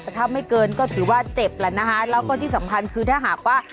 แต่ถ้าไม่เกินก็ถือว่าเจ็บแล้วนะคะแล้วก็ที่สำคัญคือถ้าหากว่า